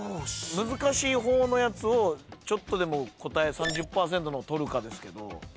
難しい方のやつをちょっとでも答え３０％のを取るかですけど。